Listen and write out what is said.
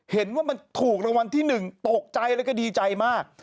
เห็นว่ามันถูกรางวัลที่๑ตกใจแล้วก็ดีใจมาก